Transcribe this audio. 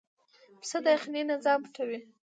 پسه د یخنۍ نه ځان پټوي.